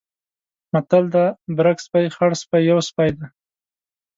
متل دی: برګ سپی، خړسپی یو سپی دی.